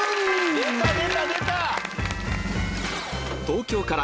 出た出た出た！